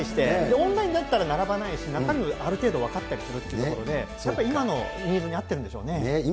オンラインだったら並ばないし、中身もある程度分かったりするというところで、今のニーズに合っているんでしょうね。